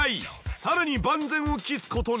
更に万全を期すことに。